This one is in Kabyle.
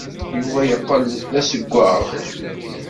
Yuba yeqqel d azewwaɣ.